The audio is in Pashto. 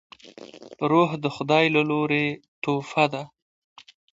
روح د خداي له لورې تحفه ده